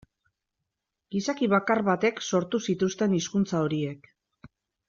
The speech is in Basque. Gizaki bakar batek sortu zituzten hizkuntza horiek.